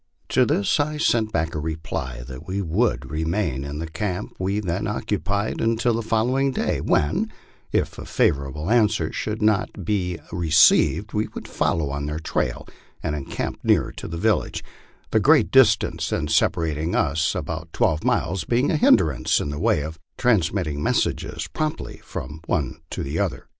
To this I sent back a reply that we would remain in the camp we then occupied until the following clay, when, if a favorable answer should not have been re ceived, we would follow on their trail and encamp nearer to the village, the great distance then separating us, about twelve miles, being a hindrance in the way of transmitting messages promptly from one to the other.